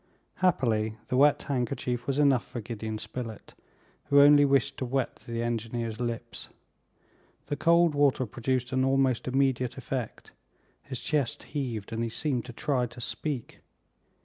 Happily the wet handkerchief was enough for Gideon Spilett, who only wished to wet the engineer's lips. The cold water produced an almost immediate effect. His chest heaved and he seemed to try to speak.